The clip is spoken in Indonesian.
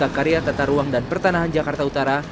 di sibukakarya tata ruang dan pertanahan jakarta utara